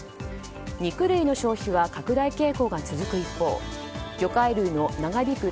肉類の消費は拡大傾向が続く一方魚介類の長引く